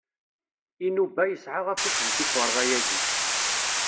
Inuba yesɛa afus deg tikerḍa-yaki